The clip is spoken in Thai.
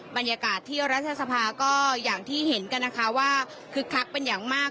บรรยากาศที่รัฐสภาก็อย่างที่เห็นกันนะคะว่าคึกคักเป็นอย่างมาก